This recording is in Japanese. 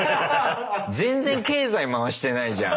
全然経済回してないじゃん。